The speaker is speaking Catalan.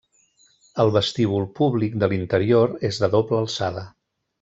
El vestíbul públic de l'interior és de doble alçada.